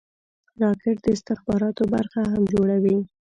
راکټ د استخباراتو برخه هم جوړوي